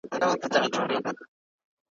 او لوستونکو ته پیغام ورکوي.